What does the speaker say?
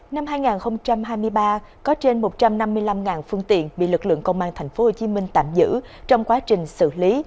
năm hai nghìn hai mươi ba có trên một trăm năm mươi năm phương tiện bị lực lượng công an tp hcm tạm giữ trong quá trình xử lý